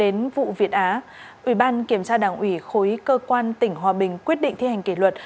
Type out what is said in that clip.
đến vụ việt á ủy ban kiểm tra đảng ủy khối cơ quan tỉnh hòa bình quyết định thi hành kỷ luật